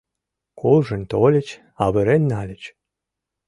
Куржын тольыч, авырен нальыч.